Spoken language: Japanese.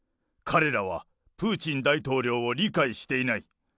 彼らはプーチン大統領を理解していない。